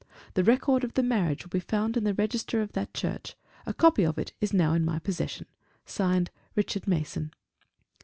The record of the marriage will be found in the register of that church a copy of it is now in my possession. Signed, Richard Mason."